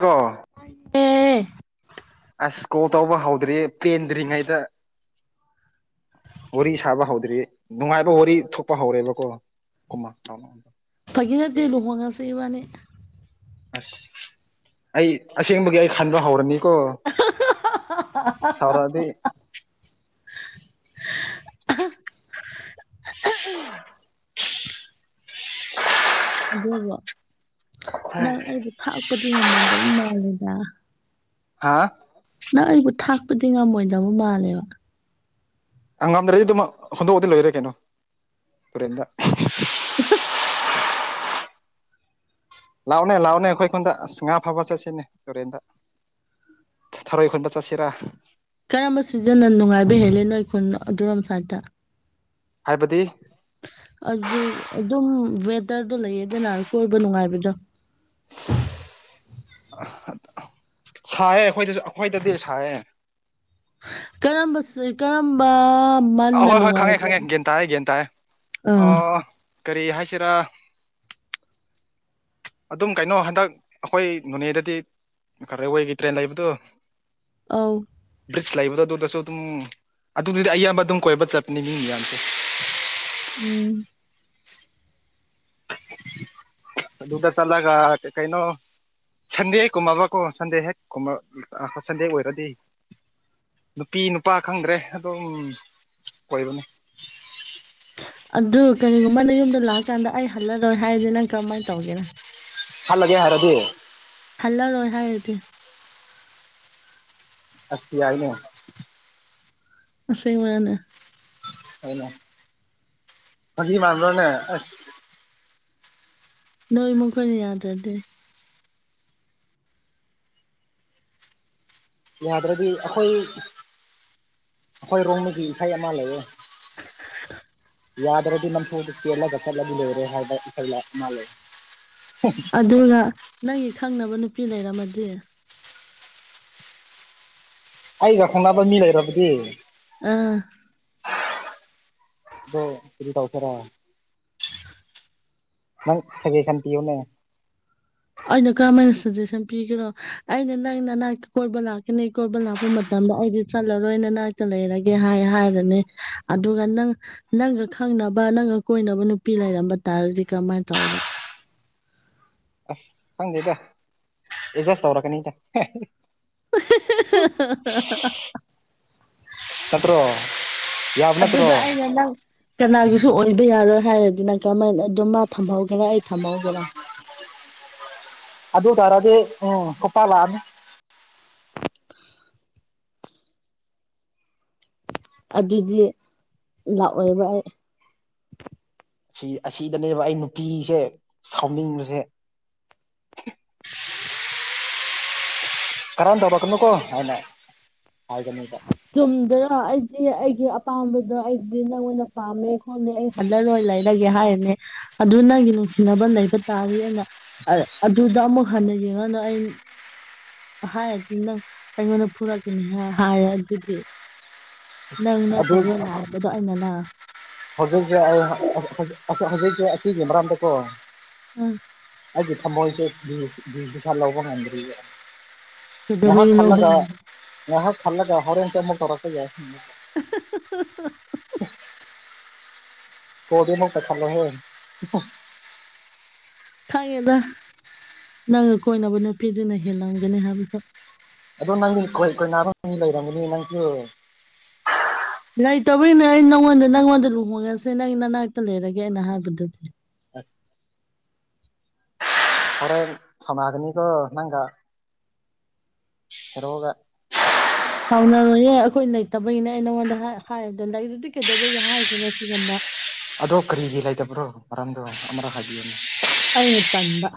ꯀꯣ ꯑꯦ ꯑꯁ ꯀꯣꯜ ꯇꯧꯕ ꯍꯧꯗ꯭ꯔꯤꯌꯦ ꯄꯦꯟꯗ꯭ꯔꯤꯉꯩꯗ꯫ ꯋꯥꯔꯤ ꯁꯥꯕ ꯍꯧꯗ꯭ꯔꯤ ꯅꯨꯡꯉꯥꯏꯕ ꯋꯥꯔꯤ ꯊꯣꯛꯄ ꯍꯧꯔꯦꯕꯀꯣ ꯀ꯫ ꯑꯗꯨꯗꯤ ꯂꯨꯍꯣꯡꯉꯁꯦ ꯏꯕꯅꯤ꯫ ꯑꯁ ꯑꯩ ꯑꯁꯦꯡꯕꯒꯤ ꯑꯩ ꯈꯟꯕ ꯍꯧꯔꯅꯤꯀꯣ ꯍꯥ ꯍꯥ ꯍꯥ ꯁꯥꯎꯔꯛꯑꯗꯤ ꯑꯗꯨꯕꯨ ꯅꯪ ꯑꯩꯕꯨ ꯊꯥꯛꯄꯗꯤ ꯉꯝꯃꯣꯏꯗꯕ ꯃꯥꯜꯂꯦꯗ꯫ ꯍꯥꯥ ꯅꯪ ꯑꯩꯕꯨ ꯊꯥꯛꯄꯗꯤ ꯉꯝꯃꯣꯏꯗꯕ ꯃꯥꯜꯂꯦ꯫ ꯉꯝꯗ꯭ꯔꯗꯤ ꯑꯗꯨꯝꯃꯛ ꯍꯨꯟꯗꯣꯛꯑꯗꯤ ꯂꯣꯏꯔꯦ ꯀꯩꯅꯣ ꯇꯨꯔꯦꯟꯗ ꯂꯥꯛꯑꯣꯅꯦ ꯂꯥꯛꯑꯣꯅꯦ ꯑꯩꯈꯣꯏ ꯈꯨꯣꯟꯗ ꯉꯥ ꯐꯕꯆꯠꯁꯤꯅꯦ ꯇꯨꯔꯦꯟꯗ꯫ ꯊꯔꯣꯏ ꯈꯨꯟꯕ ꯆꯠꯁꯤꯔꯥ ꯀꯔꯝꯕ ꯁꯤꯖꯟꯅ ꯅꯨꯡꯉꯥꯏꯕ ꯍꯦꯜꯂꯤ ꯅꯣꯏ ꯈꯨꯟ ꯑꯗꯨꯔꯣꯝ ꯁ꯭ꯏꯗꯇ꯫ ꯍꯥꯏꯕꯗꯤ ꯑꯗꯨꯗꯤ ꯑꯗꯨꯝ ꯋꯦꯗꯔꯗꯣ ꯂꯩꯌꯦꯗꯅ ꯀꯣꯏꯕ ꯅꯨꯡꯉꯥꯏꯕꯗꯣ ꯁꯥꯏꯌꯦ ꯑꯩꯈꯣꯏꯗꯁꯨ ꯑꯩꯈꯣꯏꯗꯗꯤ ꯁꯥꯏꯌꯦ꯫ ꯀꯔꯝꯕ ꯁꯤ꯫ ꯀꯔꯝꯕ ꯑꯍꯣꯏ ꯃꯅꯅ ꯍꯣꯏ ꯈꯪꯉꯦ ꯍꯥꯏꯔꯖ ꯈꯪꯉꯦ ꯒ꯭ꯌꯥꯟ ꯇꯥꯏꯌꯦ ꯒ꯭ꯌꯥꯟ ꯇꯥꯏꯌꯦ ꯑꯥ ꯑꯣ ꯀꯔꯤ ꯍꯥꯏꯁꯤꯔꯥ ꯑꯗꯨꯝ ꯀꯩꯅꯣ ꯍꯟꯗꯛ ꯑꯩꯈꯣꯏ ꯅꯣꯅꯦꯗꯗꯤ ꯀꯔꯦꯋꯦꯒꯤ ꯇ꯭ꯔꯦꯟ ꯂꯩꯕꯗꯣ ꯑꯥꯎ꯫ ꯕ꯭ꯔꯤꯖ ꯂꯩꯕꯗꯣ ꯑꯗꯨꯗꯁꯨ ꯑꯗꯨꯝ ꯑꯗꯨꯗꯨꯗꯤ ꯑꯌꯥꯝꯕ ꯑꯗꯨꯝ ꯀꯣꯏꯕ ꯆꯠꯄꯅꯤ ꯃꯤ ꯃꯌꯥꯝꯁꯦ꯫ ꯎꯝ ꯗꯨꯇ ꯆꯂꯒ ꯀꯩꯅꯩꯅꯣ ꯁꯟꯗꯦ ꯍꯦꯛ ꯀꯨꯝꯃꯕꯀꯣ ꯁꯟꯗꯦ ꯍꯦꯛ ꯀꯨꯝ ꯁꯟꯗꯦ ꯑꯣꯏꯔꯗꯤ ꯅꯨꯄꯤ ꯅꯨꯄꯥ ꯈꯪꯗ꯭ꯔꯦ ꯑꯗꯨꯝ ꯑꯣꯏꯕꯅꯤ ꯑꯗꯨ ꯀꯔꯤꯒꯨꯝꯕꯅ ꯅꯌꯨꯝꯗ ꯂꯥꯛꯑꯀꯥꯟꯗ ꯑꯩ ꯍꯜꯂꯔꯣꯏ ꯍꯥꯏꯔꯗꯤ ꯅꯪ ꯀꯔꯝꯃꯥꯏꯅ ꯇꯧꯒꯦꯔ꯫ ꯍꯜꯂꯒꯦ ꯍꯥꯏꯔꯗꯤ ꯍꯂ ꯔꯣꯍꯗꯤꯦ ꯑꯁ ꯌꯥꯏꯅꯦ꯫ ꯑꯁꯦꯡꯕꯔꯅꯦ꯫ ꯑꯩꯅ ꯐꯒꯤꯃꯥꯟꯕꯔꯅꯦ꯫ ꯅꯣꯏꯃꯨꯅꯤ ꯌꯥ ꯆꯗꯦ ꯌꯥꯗ꯭ꯔꯗꯤ ꯑꯩꯈꯣꯏ ꯑꯩꯈꯣꯏ ꯔꯣꯡꯝꯃꯒꯤ ꯏꯁꯩ ꯑꯃ ꯂꯩꯌꯦ ꯌꯥꯗ꯭ꯔꯗꯤ ꯅꯝꯐꯨꯗ ꯆꯦꯜꯂꯒ ꯆꯠꯂꯗꯤ ꯂꯣꯏꯔꯦ ꯍꯥꯏꯕ [inaudible] ꯃꯥꯂꯦ ꯑꯗꯨꯒ ꯅꯪꯒꯤ ꯈꯪꯅꯕ ꯅꯨꯄꯤ ꯂꯩꯔꯝꯃꯗꯤ ꯑꯩꯒ ꯈꯡꯅꯕ ꯃꯤ ꯂꯩꯔꯕꯗꯤ ꯑꯥ꯫ ꯑꯗꯣ ꯀꯔꯤ ꯇꯧꯁꯤꯔ ꯅꯪ ꯁꯒꯦꯁꯥꯟꯄꯤꯌꯣꯅꯦ꯫ ꯑꯩꯅ ꯀꯔꯝꯍꯥꯏꯅ ꯁꯖꯦꯁꯟ ꯄꯤꯒꯦꯔꯣ ꯑꯩꯅ ꯅꯪ ꯅꯅꯥ ꯀꯣꯏꯕ ꯂꯥꯛꯀꯅꯤ ꯀꯣꯏꯕ ꯂꯥꯛꯄ ꯃꯇꯝꯗ ꯑꯩꯗꯤ ꯆꯠꯂꯔꯣꯏ ꯅ ꯅꯅꯥꯛꯇ ꯂꯩꯔꯒꯦ ꯍꯥꯏ ꯍꯥꯏꯔꯅꯤ ꯑꯗꯨꯒ ꯅꯪ ꯅꯪꯒ ꯈꯪꯅꯕ ꯅꯪꯒ ꯀꯣꯏꯅꯕ ꯅꯨꯄꯤ ꯂꯩꯔꯝꯕ ꯇꯥꯔꯗꯤ ꯀꯔꯝꯃꯥꯏꯅ ꯇꯧꯕ꯫ ꯑ ꯐꯪꯖꯦꯗ ꯑꯦꯠꯖꯥꯁ ꯇꯧꯔꯛꯒꯅꯤꯗ [unintelligible] ꯅꯠꯇ꯭ꯔꯣ ꯌꯥꯕ ꯅꯠꯇ꯭ꯔꯣ ꯑꯗꯨꯗ ꯑꯩꯅ ꯅꯪ ꯀꯅꯥꯒꯤꯁꯨ ꯑꯣꯏꯕ ꯌꯥꯔꯣꯏ ꯍꯥꯏꯔꯗꯤꯅ ꯀꯔꯝꯍꯥꯏꯅ ꯑꯗꯨꯝ ꯃꯥ ꯊꯝꯍꯧꯒꯦꯅ ꯑꯩ ꯊꯝꯍꯧꯒꯦꯔ ꯑꯗꯨ ꯇꯔꯗꯤ ꯎꯝ ꯀꯣꯄꯥ ꯂꯥꯛꯑꯅꯤ ꯑꯗꯨꯗꯤ ꯂꯥꯛꯑꯣꯏꯕ ꯑꯩ ꯁꯤ ꯑꯁꯤꯗꯅꯦꯕ ꯑꯩ ꯅꯨꯄꯤꯁꯦ ꯁꯥꯎꯅꯤꯡꯉꯤꯁꯦ꯫ ꯀꯔꯟ ꯇꯧꯔꯛꯀꯅꯨꯀꯣ ꯍꯥꯏꯅ ꯍꯥꯏꯕꯅꯦꯕ ꯆꯨꯝꯗꯦꯅ ꯑꯩꯗꯤ ꯑꯩꯒꯤ ꯑꯄꯥꯝꯕꯗꯣ ꯑꯩꯗꯤ ꯅꯪꯉꯣꯟꯗ ꯄꯥꯝꯃꯦ ꯈꯣꯠꯂꯦ ꯑꯩ꯫ ꯍꯜꯂꯔꯣꯏ ꯂꯩꯔꯒꯦ ꯍꯥꯏꯔꯅꯦ ꯑꯗꯨ ꯅꯪꯒꯤ ꯅꯨꯡꯁꯤꯅꯕ ꯂꯩꯕ ꯇꯥꯔꯗꯤ ꯑꯩꯅ꯫ ꯑꯗꯨꯗ ꯑꯃꯨꯛ ꯍꯟꯅ ꯌꯦꯡꯉꯅꯨ ꯑꯩ꯫ ꯍꯥꯏ ꯑꯗꯨ ꯅꯪ ꯑꯩꯉꯣꯟꯗ ꯄꯨꯔꯛ ꯀ ꯍꯥꯏ ꯌꯥ ꯑꯗꯨꯗꯤ ꯅꯪ ꯑꯗꯨ ꯅꯠꯇꯕ꯭ꯔꯣ ꯂꯄꯗꯣ ꯑꯩꯅꯅ ꯍꯧꯖꯤꯛꯁꯦ ꯑꯩ ꯍꯧꯖꯤꯛꯁꯦ ꯑꯁꯤꯒꯤ ꯃꯔꯝꯗꯀꯣ꯫ ꯎꯝ ꯑꯩꯒꯤ ꯊꯃꯣꯏꯁꯦ [inaudible] ꯂꯧꯕ ꯉꯝꯗ꯭ꯔꯤꯕ ꯉꯥꯢ ꯍꯥꯛ ꯀꯩꯗꯧꯕꯩ ꯂꯧꯕ ꯊꯜꯂꯒ ꯉꯝꯗ ꯃ ꯊꯜꯂꯒ ꯍꯣꯔꯦꯟꯇꯃ ꯇꯧꯔꯛꯛꯇ ꯌꯥ [unintelligible] ꯀꯣꯗ ꯍꯧꯛꯇ ꯈꯜꯂ ꯍ ꯈꯪꯉꯦꯗ ꯅꯪꯒ ꯀꯣꯏꯅꯕ ꯅꯨꯄꯤꯗꯨꯅ ꯍꯦꯜꯂꯝꯒꯅꯤ ꯍꯥꯏꯕꯁꯨ ꯑꯗꯣ ꯅꯪꯗꯤ ꯀꯣꯏ ꯀꯣꯏ ꯅꯥꯔꯣꯟ ꯂꯩꯔꯝꯒꯅꯤ ꯅꯪꯁꯨ꯫ ꯂꯩꯇꯧꯕꯔꯤꯅꯦ ꯑꯩ ꯅꯪꯉꯣꯟꯗ ꯅꯪꯉꯣꯟꯗ ꯂꯨꯍꯣꯡꯉꯁꯦ ꯅꯪ ꯅꯅꯥꯛꯇ ꯂꯩꯔꯒꯦ ꯑꯅ ꯍꯥꯏꯕꯗꯨꯗꯤ ꯍꯣꯔꯦꯟ ꯁꯅꯒꯅꯤꯀꯣ ꯅꯪꯒꯥ꯫ ꯍꯔꯣꯒ ꯁꯥꯎꯅꯔꯣꯏꯌꯦ ꯑꯩꯈꯣꯏ ꯂꯩꯇꯕꯒꯤꯅꯦ ꯑꯩ ꯅꯉꯣꯟꯗ ꯍꯥꯏꯔꯗ ꯂꯩꯔꯥꯗꯤ ꯀꯩꯗꯧꯕꯒꯤ ꯍꯥꯏꯗꯣꯏꯅꯣ ꯁꯤꯒꯨꯝꯕ ꯑꯗꯣ ꯀꯔꯤꯒꯤ ꯂꯩꯇꯕ꯭ꯔꯣ ꯃꯔꯝꯗꯣ ꯑꯃꯔ ꯍꯥꯏꯕꯤꯌꯨꯅ ꯑꯩ ꯇꯗ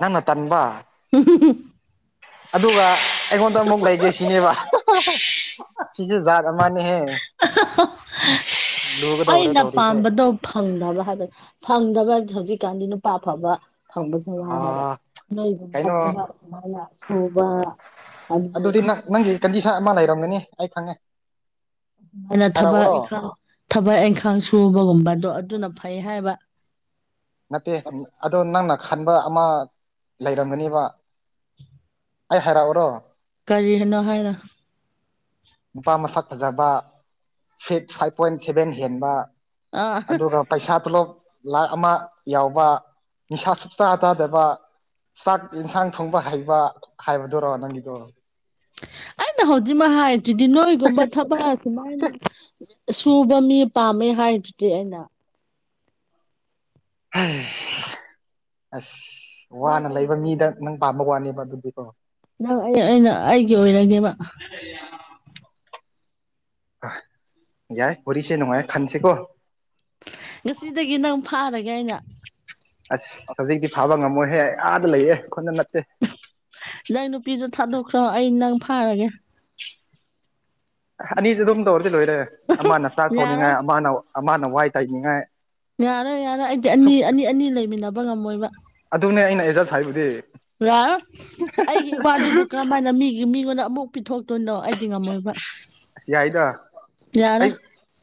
ꯅꯪꯅ ꯇꯟꯕ ꯑꯗꯨꯒ ꯑꯩꯉꯣꯟꯗ ꯑꯃꯨꯛ ꯂꯩꯒꯦ ꯁꯤꯅꯦꯕ ꯁꯤꯁꯨ ꯖꯥꯠ ꯑꯃꯅꯦꯍꯦ꯫ ꯂꯨꯒꯗꯧꯔꯦ ꯑꯩꯅ ꯇꯧꯔꯤꯁꯦ ꯄꯥꯝꯕꯗꯣ ꯐꯪꯗꯕ ꯍꯥꯏꯕ ꯐꯪꯗꯕ ꯍꯧꯖꯤꯛꯀꯥꯟꯗꯤ ꯅꯨꯄꯥ ꯑꯐꯕ꯫ ꯐꯪꯕꯁꯨ ꯋꯥꯏ ꯍꯥꯏꯕ ꯑꯥ ꯅꯣꯏꯒꯨꯝꯕ ꯀꯩꯅꯣ ꯊꯕꯛ ꯁꯨꯃꯥꯏꯅ ꯁꯨꯕ ꯑꯗꯨꯗꯗꯤ ꯑꯗꯨꯗꯤ ꯅꯪ ꯅꯪꯒꯤ ꯀꯟꯗꯤꯁꯟ ꯑꯃ ꯂꯩꯔꯝꯒꯅꯤ ꯑꯩ ꯈꯪꯉꯦ ꯑꯗꯨꯃꯥꯏꯅ ꯊꯕꯛ ꯍꯥꯏꯔꯛꯎꯔꯣ ꯏꯪꯈꯥꯡ ꯊꯕꯛ ꯏꯪꯈꯥꯡ ꯁꯨꯕꯒꯨꯝꯕꯗꯣ ꯑꯗꯨꯅ ꯐꯩ ꯍꯥꯏꯕ ꯅꯠꯇꯦ ꯑꯗꯣ ꯅꯪꯅ ꯈꯟꯕ ꯑꯃ ꯂꯩꯔꯝꯒꯅꯦꯕ [inaudible] ꯑꯩ ꯍꯥꯏꯔꯛꯑꯣꯔꯣ꯫ ꯀꯔꯤ ꯍꯥꯏꯅꯣ ꯍꯥꯏꯔ ꯅꯨꯄꯥ ꯃꯁꯥ ꯐꯖꯕ ꯐꯤꯠ ꯐꯥꯏꯚ ꯄꯣꯏꯟ ꯁꯦꯚꯦꯟ ꯍꯦꯟꯕ ꯑꯥ ꯑꯗꯨꯒ ꯄꯩꯁꯥ ꯇꯣꯂꯣꯞ ꯂꯥꯛ ꯑꯃ ꯌꯥꯎꯕ ꯅꯤꯁꯥ ꯁꯨꯛ ꯆꯥ ꯆꯥꯇꯥꯕ꯫ ꯆꯥꯛ ꯌꯦꯟꯁꯥꯡ ꯊꯣꯡꯕ ꯍꯩꯕ ꯍꯥꯏꯕꯗꯨꯔꯣ ꯅꯪꯒꯤꯗꯣ ꯑ ꯅꯍꯣꯗꯤꯃ ꯍꯥꯏꯥꯏ ꯇꯗꯤ ꯅꯣꯏꯒꯣꯕ ꯊꯕ ꯁꯨꯃꯥꯏꯅ ꯁꯨꯕ ꯃꯤ ꯄꯥꯝꯃꯦ ꯍꯥꯏꯔꯤꯗꯨꯗꯤ ꯑꯩꯅ ꯑꯁ ꯅꯪ ꯋꯥꯅ ꯑꯩꯒꯤ ꯂꯩꯕ ꯃꯤꯗ ꯑꯣꯏꯔꯗꯤꯅꯦ ꯅꯪ ꯄꯥꯝꯕ ꯋꯥꯅꯦꯕ ꯑꯗꯨꯗꯤꯀꯣ ꯅꯪ ꯑꯩ ꯑꯩꯅ ꯑꯩꯒꯤ ꯑꯣꯏꯅꯗꯤ ꯑꯃ꯫ ꯌꯥꯏ ꯋꯥꯔꯤꯁꯦ ꯅꯨꯡꯉꯥꯏ ꯈꯥꯟꯁꯦ ꯀꯣ꯫ ꯉꯁꯤꯗꯒꯤ ꯅꯪ ꯐꯥꯔꯒꯦ ꯏꯩꯅ ꯑꯁ ꯍꯧꯖꯤꯛꯇꯤ ꯐꯥꯕ ꯉꯝꯃꯣꯏꯍꯦ ꯑꯥꯗ ꯂꯩꯌꯦꯦ ꯈꯨꯅ ꯅꯠꯇꯦ ꯅꯪ ꯅꯨꯄꯤꯁꯨ ꯊꯥꯗꯣꯛꯈ꯭ꯔꯣ ꯑꯩ ꯅꯪ ꯐꯥꯔꯒꯦ꯫ ꯑꯅꯤꯗꯤ ꯑꯗꯨꯝ ꯇꯧꯔꯗꯤ ꯂꯣꯏꯔꯦ ꯑꯃꯅ ꯆꯥꯛ ꯊꯣꯡꯅꯤꯡꯉꯥꯏ ꯌꯥꯔꯣꯏ ꯑꯃꯅ ꯑꯃꯅ ꯋꯥꯏ ꯇꯥꯏꯅꯤꯡꯉꯥꯏ꯫ ꯌꯥꯔꯣꯏ ꯌꯥꯔꯣꯏ ꯑꯩꯗꯤ ꯑꯅꯤ ꯑꯅꯤ ꯑꯅꯤ ꯂꯩꯃꯤꯟꯅꯕ ꯉꯝꯃꯣꯏꯕ ꯑꯗꯨꯅꯦ ꯑꯩꯅ ꯑꯦꯖꯁ ꯍꯥꯏꯕꯗꯤ ꯑꯩꯒꯤ ꯏꯃꯗꯨꯕꯨ ꯀꯔꯝꯥꯏꯅ ꯃꯤꯒꯤ ꯃꯤꯉꯣꯟꯗ ꯑꯃꯨꯛ ꯄꯤꯊꯣꯛꯇꯣꯏꯅꯣ ꯑꯩꯗꯤ ꯉꯝꯃꯣꯏꯕ ꯌꯥꯔ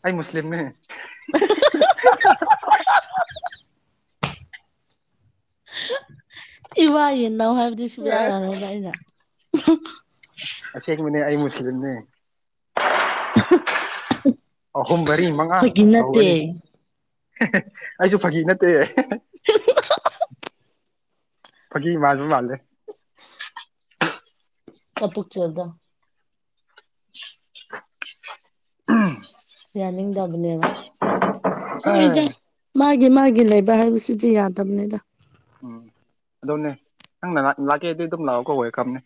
ꯑꯩꯥꯏ ꯃꯁꯂꯤꯝꯅꯦ [unintelligible] ꯏ ꯋꯥꯏ ꯑꯦꯅꯥ ꯍꯥꯏꯕꯗꯤ [inaudible] ꯌꯥꯔꯣꯏꯕ ꯑꯩꯅ ꯑ ꯃꯅꯦ ꯑꯩꯏ ꯃ ꯁꯤꯅꯦ [unintelligible] ꯑꯍꯨꯝ ꯃꯔꯤ ꯃꯉꯥ ꯐꯥꯒꯤ ꯅꯠꯇꯦ ꯂꯧꯒꯅꯤ ꯑꯩꯁꯨ ꯐꯥꯒꯤ ꯅꯠꯇꯦ [inaudible] ꯐꯛꯤ ꯃꯥꯜꯕ ꯃꯥꯜꯂꯦ ꯇ ꯄꯨꯛꯆꯦꯜꯗ ꯌꯥꯅꯤꯡ ꯗꯕꯅꯦꯕ ꯍꯣꯏꯖ ꯃꯥꯒꯤ ꯃꯥꯒꯤ ꯂꯩꯕ ꯍꯥꯏꯕꯁꯤꯗꯤ ꯌꯥꯗꯕꯅꯤꯗ ꯑꯗꯨꯣꯅꯦ ꯅꯪꯅ ꯂꯥꯛꯀꯦ ꯑꯗꯨꯗꯤ ꯑꯗꯨꯝ ꯂꯥꯛꯑꯣ ꯀꯧꯋꯦ ꯈꯝꯅꯦ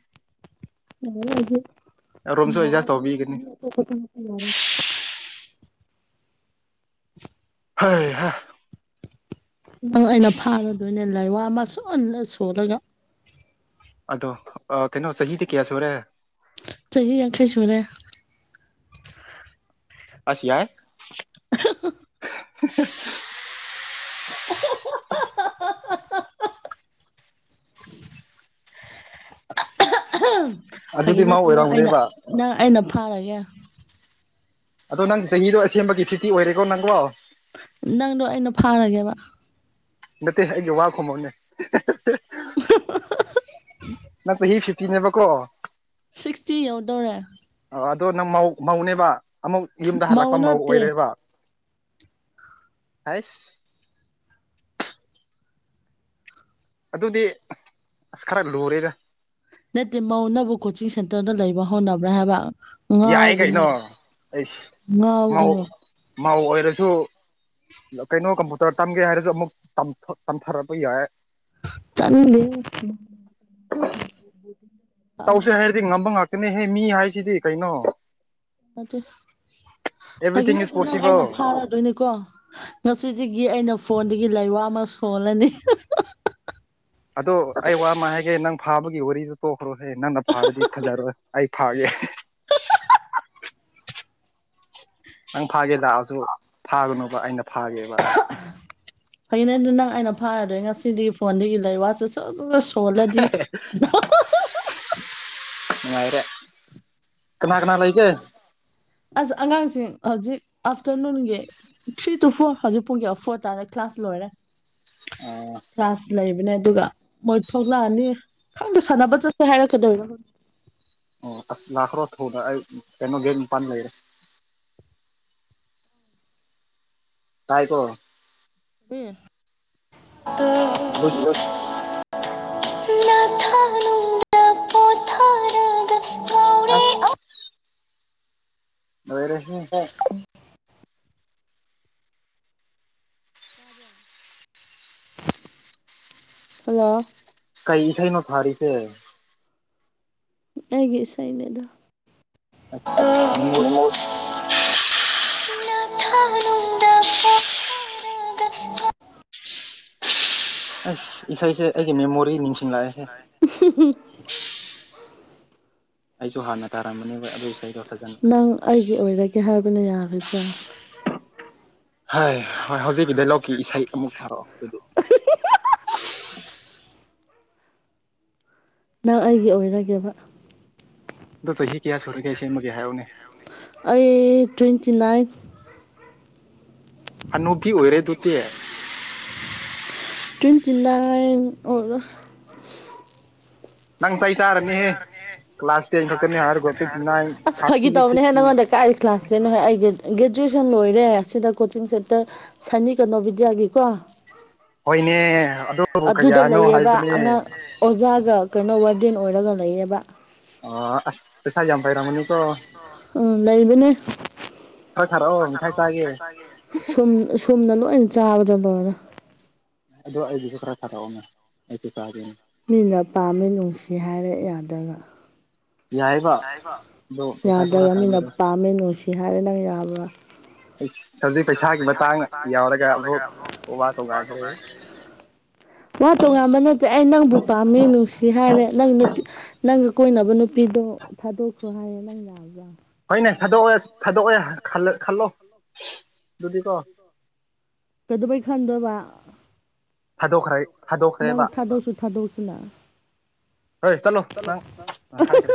ꯃꯥ ꯁ ꯊ ꯔꯨꯝꯁꯨ ꯑꯦꯗꯖꯁ ꯇꯧꯕꯤꯒꯅꯤ ꯑ ꯈꯇꯠꯇ ꯌꯥꯔꯦ ꯍꯣꯏ ꯍꯥ [inaudible] ꯅꯪ ꯑꯩꯅ ꯐꯥꯔꯗꯣꯏꯅꯦ ꯂꯥꯏꯋꯥ ꯑꯃ ꯁꯟꯅ ꯁꯣꯜꯂꯒ ꯑꯗꯣ ꯀꯩꯅꯣ ꯆꯍꯤꯗꯤ ꯀꯌꯥ ꯁꯨꯔꯦ ꯆꯍꯤ ꯌꯥꯡꯈꯩ ꯁꯨꯔꯦ ꯑꯁ ꯌꯥꯏ [unintelligible] [unintelligible] ꯐꯒꯤ ꯑꯗꯨꯗꯤ ꯃꯥ ꯅꯠꯇꯅ ꯑꯩꯅ ꯑꯣꯏꯔꯝꯒꯅꯦꯕ ꯅꯪ ꯑꯩꯅ ꯐꯥꯔꯒꯦ ꯑꯗꯣ ꯅꯪ ꯆꯍꯤꯗꯣ ꯑꯁꯦꯡꯕꯒꯤ ꯐꯤꯇꯤ ꯑꯣꯏꯔꯦꯀꯣ ꯅꯪꯕꯣ ꯅꯪꯗꯣ ꯑꯩꯅ ꯐꯥꯔꯒꯦꯕ ꯅꯠꯇꯦ ꯑꯩꯒꯤ ꯋꯥ ꯈꯨꯣꯡꯃꯥꯎꯅꯦ [inaudible] ꯅ ꯆꯍꯤ ꯆꯍꯤ ꯐꯤꯐꯇꯤꯅꯦꯕ ꯀꯣ ꯁꯤꯛꯁꯇꯤ ꯌꯧꯗꯧꯔꯦ ꯑ ꯑꯗꯣ ꯅꯪ ꯃꯧ ꯃꯧꯅꯦꯕ ꯑꯃꯨꯛ ꯌꯨꯝꯗ ꯍꯜꯂꯛꯄ ꯃꯧ ꯑꯣꯏꯔꯦꯕ ꯑꯁ [inaudible] ꯑꯗꯨꯗꯤ ꯑꯁ ꯈꯔ ꯂꯨꯔꯦꯗ ꯅꯠꯇꯦ ꯃꯧꯅꯕꯨ ꯀꯣꯆꯤꯡ ꯁꯦꯟꯇꯔꯗ ꯂꯩꯕ ꯍꯧꯥꯎꯅꯕ꯭ꯔꯥ ꯍꯥꯏꯕ ꯌꯥꯏ ꯉꯎꯒꯨꯅ ꯀꯩꯅꯣ ꯑꯩꯁ ꯃꯧ ꯉꯎꯒꯨꯅꯣ ꯃꯧ ꯑꯣꯏꯔꯁꯨ ꯀꯩꯅꯣ ꯀꯝꯄꯨꯇꯔ ꯇꯝꯒꯦ ꯍꯥꯏꯔꯁꯨ ꯑꯃꯨꯛ ꯇꯝꯊꯔꯛꯄ ꯌꯥꯏ ꯆꯪꯦ [inaudible] ꯇꯧꯁꯦ ꯍꯥꯏꯔꯗꯤ ꯉꯝꯕ ꯉꯥꯛꯇꯅꯦꯍꯦ ꯃꯤ ꯍꯥꯏꯁꯤꯗꯤ ꯀꯩꯅꯣ ꯑꯗꯨ ꯑꯦꯕ꯭ꯔꯤꯊꯤꯡ ꯏꯁ ꯐꯥꯒꯤꯅꯦꯗꯨꯅ ꯄꯣꯁꯤꯕꯜ ꯑꯩꯅ ꯐꯥꯔꯗꯣꯏꯅꯦꯀꯣ ꯉꯁꯤꯗꯒꯤ ꯑꯩꯅ ꯐꯣꯟꯗꯒꯤ ꯂꯥꯏ ꯋꯥ ꯑꯃ ꯁꯣꯜꯂꯅꯤ ꯑꯗꯣ ꯑꯩ ꯋꯥ ꯑꯃ ꯍꯥꯏꯒꯦ ꯅꯪ ꯐꯥꯕꯒꯤ ꯋꯥꯔꯤꯗꯨ ꯇꯣꯛꯈ꯭ꯔꯣꯍꯦ ꯅꯪꯅ ꯐꯥꯔꯗꯤ ꯐꯖꯔꯣꯏ ꯑꯩ ꯐꯥꯒꯦ ꯅꯪ ꯐꯥꯒꯦ ꯂꯥꯛꯑꯁꯨ ꯐꯥꯒꯅꯨꯕꯌꯌ ꯃꯧ ꯑꯩꯅ ꯐꯥꯒꯦꯕ ꯐꯅꯦ ꯑꯗꯨ ꯅꯪ ꯑꯩꯅ ꯐꯥꯔꯔꯦ ꯉꯁꯤꯗꯤ ꯐꯣꯟꯗꯒꯤ ꯂꯩ ꯋꯥꯁꯦ ꯁꯣꯂꯗꯤ [inaudible] ꯉꯔꯦ ꯀꯅꯥ ꯀꯅꯥ ꯂꯏ ꯀꯦ ꯑꯁ ꯑꯉꯥꯡꯁꯤꯡ ꯍꯧꯖꯤꯛ ꯑꯥꯐꯇꯔꯅꯨꯟꯒꯤ ꯊ꯭ꯔꯤ ꯇꯨ ꯐꯣꯔ ꯍꯧꯖꯤꯛ ꯄꯨꯡ ꯀ ꯐꯣꯔ ꯇꯥꯔ ꯀ꯭ꯂꯥꯁ ꯂꯣꯏꯔꯦ ꯑꯣ ꯀ꯭ꯂꯥꯁ ꯂꯩꯕꯅꯦ ꯑꯗꯨꯒ ꯃꯣꯏ ꯊꯣꯛꯂꯛꯑꯅꯤ ꯈꯪꯗ ꯁꯥꯟꯅꯕ ꯆꯠꯁꯦ ꯍꯥꯏꯔꯛꯀꯗꯧꯣ ꯑꯣ ꯑꯁ ꯂꯥꯛꯈ꯭ꯔꯣ ꯊꯨꯅ ꯑꯩ ꯀꯩꯅꯣ ꯒꯦꯠ ꯅꯤꯄꯥꯟ ꯂꯩꯔꯦ ꯇꯥꯏ ꯀꯣ [inaudible] ꯁ ꯈ [inaudible] ꯅ ꯊꯅꯨ [inaudible] ꯄꯨꯣ ꯊꯥꯔꯒ ꯑ [inaudible] ꯂꯣꯏꯔꯦꯁꯤ ꯎꯝ ꯍꯜꯂꯣ ꯀꯩ ꯏꯁ ꯅ ꯐꯥꯔꯤꯁꯦ ꯑꯩꯒꯤꯦ ꯁꯥꯏꯅꯦꯗ ꯃꯦꯃꯣ ꯑꯁ ꯏꯁꯩꯁꯦ ꯑꯩꯒꯤ ꯃꯦꯃꯣꯔꯤ ꯅꯤꯡꯁꯤꯡꯂꯛꯑꯦꯍꯦ [inaudible] ꯑꯩꯁꯨ ꯍꯥꯟꯅ ꯇꯥꯔꯝꯝꯕꯅꯦꯕ ꯑꯗꯨꯒꯤ ꯏꯁꯩꯗꯣ ꯐꯖꯅ ꯅꯪ ꯑꯩꯒꯤ ꯑꯣꯏꯔꯒꯦ ꯍꯥꯏꯕꯅ ꯌꯥꯒꯗ꯭ꯔꯥ ꯍꯥꯏ ꯍꯣꯏ ꯍꯧꯖꯤꯛꯀꯤ ꯗꯥꯏꯂꯣꯛꯀꯤ ꯏꯁꯩ ꯑꯃꯨꯛ ꯊꯥꯔꯛꯑꯣ ꯑꯗꯨꯗꯤ ꯅꯪ ꯑꯩꯒꯤ ꯑꯣꯏꯔꯒꯦꯕ ꯑꯗꯣ ꯆꯍꯤ ꯀꯌꯥ ꯁꯨꯔꯒꯦ ꯁꯦꯝꯃꯒꯦ ꯍꯥꯏꯌꯎꯅꯦ ꯑꯩ ꯇ꯭ꯋꯦꯟꯇꯤ ꯅꯥꯏꯟ ꯑꯅꯨꯕꯤ ꯑꯣꯏꯔꯦ ꯑꯗꯨꯗꯤ ꯇꯝꯖꯤꯂꯥ ꯅꯪ ꯆ ꯑꯩ ꯆꯥꯔꯅꯤꯍꯦ ꯀ꯭ꯂꯥꯁ ꯇꯦꯟ ꯈꯛꯇꯅꯤ ꯍꯥꯏꯔꯣꯅꯥꯟ ꯑꯁ ꯊꯥꯔꯇꯤ ꯐꯥꯒꯤ ꯇꯧꯕꯅꯦꯍꯦ ꯐꯤꯛꯇ ꯅꯪꯉꯣꯟꯗ ꯀꯥꯏ ꯀ꯭ꯂꯥꯁ ꯇꯦꯟ ꯍꯣꯏ ꯑꯩꯒꯤ ꯒ꯭ꯔꯦꯖꯨꯋꯦꯁꯟ ꯂꯣꯏꯔꯦ ꯑꯁꯤꯗ ꯀꯣꯆꯤꯡ ꯁꯦꯟꯇꯔ ꯁꯅꯤ ꯀꯩꯅꯣ ꯕꯤꯗ꯭ꯌꯥꯒꯤꯀꯣ ꯍꯣꯏꯅꯦ ꯑꯗꯨ ꯑꯗꯨꯗ ꯀꯌꯥꯅꯣ ꯂꯩꯌꯦꯕ ꯍꯥꯏꯕꯅꯦ ꯑꯉꯥꯡ ꯑꯣꯖꯥꯒ ꯀꯩꯅꯣ ꯋꯥꯔꯗꯦꯟ ꯑꯣꯏꯔꯒ ꯂꯩꯌꯦꯕ ꯑꯣ ꯆꯥꯏꯖꯝ ꯄꯥꯏ [inaudible] ꯑꯣꯝ ꯂꯏꯕꯅꯦ ꯍꯣꯏ ꯊꯥꯔꯛꯑꯣ ꯃꯤꯊꯥꯏ ꯆꯥꯒꯦ ꯁꯨꯝ ꯁꯣꯝꯅ ꯂꯣꯏꯅ ꯆꯥꯕꯗꯥ ꯑꯗꯣ ꯑꯩꯒꯤꯁꯨ ꯈꯔ ꯊꯥꯔꯛꯑꯣꯅꯦ ꯑꯩꯁꯨ ꯀꯥꯗꯅꯦ ꯃꯤꯅ ꯄꯥꯝꯃꯤ ꯅꯨꯡꯁꯤ ꯍꯥꯏꯔ ꯌꯥꯗꯒ ꯌꯥꯏꯌꯦꯕ ꯑꯗꯣ ꯄꯩꯁꯥꯁꯨ ꯈꯔ ꯌꯥꯗꯕ ꯃꯤꯅ ꯊꯥꯕꯤꯔꯣ ꯄꯥꯝꯃꯦ ꯣ ꯁꯤ ꯍꯥꯏꯔꯦ ꯅꯪ ꯌꯥꯕ꯭ꯔ ꯍꯧꯖꯤꯛ ꯄꯩꯁꯥꯒꯤ ꯃꯇꯥꯡ ꯌꯥꯎꯔꯒ ꯑꯃꯨꯛ ꯋꯥ ꯋꯥ ꯇꯣꯒꯈ꯭ꯔꯦ ꯋꯥ ꯇꯣꯉꯥꯟꯕ ꯅꯠꯇꯦ ꯑꯩ ꯅꯪꯕꯨ ꯄꯥꯝꯃꯤ ꯅꯨꯡꯁꯤ ꯍꯥꯏꯔꯦ ꯅꯪ ꯅꯨꯄꯤ ꯅꯪꯒ ꯀꯣꯏꯅꯕ ꯅꯨꯄꯤꯗꯣ ꯊꯥꯗꯣꯛꯈ꯭ꯔꯣ ꯍꯥꯏꯌꯦꯦ ꯅꯪ ꯌꯥꯕ꯭ꯔꯥ ꯍꯣꯏꯅꯦ ꯊꯥꯗꯣꯛꯑꯣꯦ ꯊꯥꯗꯣꯛꯑꯣꯦ ꯈꯜꯂꯣ ꯑꯗꯨꯗꯤꯀꯣ ꯀꯩꯗꯧꯕꯩ ꯈꯟꯗꯕ ꯊꯥꯗꯣꯛꯈ꯭ꯔꯦ ꯅꯪ ꯊꯥꯗꯣꯛꯈ꯭ꯔꯦꯕ ꯎ ꯊꯗꯧꯁꯨ ꯊꯥꯗꯧꯁꯅ ꯍꯣꯏ ꯆꯠꯂꯣ ꯆꯂꯣ ꯅꯪ [inaudible] ꯑ ꯍꯥꯏꯈ꯭ꯔꯦ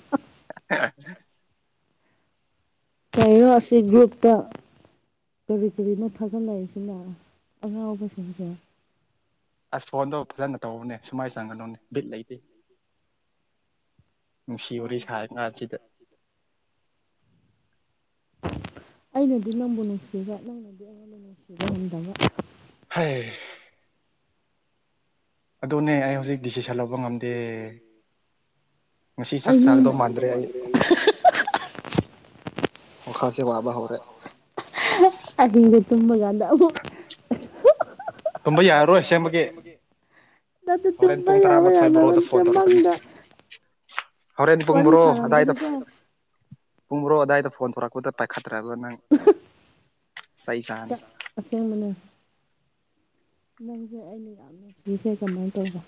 [unintelligible] ꯀꯩꯅꯣ ꯑꯁꯤ ꯒ꯭ꯔꯨꯞꯇ ꯀꯔꯤ ꯀꯔꯤꯅꯣ ꯊꯥꯒꯠꯂꯛꯏꯁꯤꯅ ꯑꯉꯥꯎꯕꯁꯤꯡꯁꯦ ꯑꯁ ꯐꯣꯟꯗꯣ ꯐꯖꯅ ꯇꯧꯕꯅꯦ ꯁꯨꯃꯥꯏꯅ ꯆꯪꯒꯅꯨꯅꯦ ꯕꯤꯠ ꯂꯩꯇꯦ ꯅꯨꯡꯁꯤ ꯋꯥꯔꯤ ꯁꯥꯥꯏ ꯉꯥꯁꯤꯗ ꯑꯩꯅꯗꯤ ꯅꯪꯕꯨ ꯅꯨꯡꯁꯤꯕ ꯅꯪꯅꯗꯤ ꯑꯩꯉꯣꯟꯕꯨ ꯅꯨꯡꯁꯤꯕ ꯉꯝꯗꯕ ꯍꯥꯏ ꯑꯗꯨꯅꯦ ꯑꯩ ꯍꯧꯖꯤꯛ ꯗꯤꯁꯤꯁꯟ ꯂꯧꯕ ꯉꯝꯗꯦ ꯉꯁꯤ ꯁꯛ ꯑꯩ ꯅꯪ ꯁꯥꯛꯗꯧ ꯃꯥꯟꯗ꯭ꯔꯦ ꯑꯩ ꯑꯣ ꯈꯥꯁꯦ ꯋꯥꯕꯕꯥ ꯍꯧꯔꯦ ꯑꯍꯤꯡꯗ ꯇꯨꯝꯕ ꯀꯥꯟꯗ ꯑꯃꯨꯛ ꯇꯨꯝꯝꯕ ꯌꯥꯔꯔꯣꯏ ꯁꯦꯝꯕꯒꯤꯦ ꯇꯨꯝꯕ ꯌꯥꯕ ꯌꯥꯗꯕ ꯕꯣꯔꯣꯗ ꯆ ꯐꯣꯟ ꯇꯧꯔꯛꯀꯅꯤ ꯃꯪꯗ ꯍꯣꯔꯦꯟ ꯄꯨꯡꯕ꯭ꯔꯣ ꯋꯥꯔꯤ ꯑꯗꯥꯏꯗ ꯁꯥꯔꯝꯒꯅꯤꯀꯣ ꯄꯨꯡ ꯃ꯭ꯔꯣ ꯑꯗꯥꯏꯗ ꯐꯣꯟ ꯊꯣꯔꯛꯄꯗ ꯄꯥꯏꯈꯠꯇ꯭ꯔꯦ ꯑꯗꯨꯒ ꯅꯪ ꯆꯍꯤ ꯁꯥꯅꯤ ꯑꯄꯤꯦꯡ ꯃꯅꯨꯡ ꯅꯪꯁꯦ ꯑꯩꯅ ꯌꯥꯝ ꯅꯨꯡꯁꯤꯖꯦ ꯀꯃꯥꯏꯅ ꯇꯧꯕ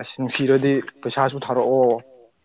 ꯑꯁ ꯅꯨꯡꯁꯤꯔꯗꯤ ꯄꯩꯁꯥꯁꯨ ꯊꯥꯔꯛꯑꯣ